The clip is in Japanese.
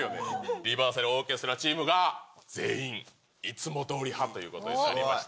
リバーサルオーケストラチームが全員いつもどおり派ということになりました。